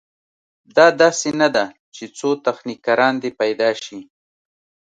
دا داسې نه ده چې څو تخنیکران دې پیدا شي.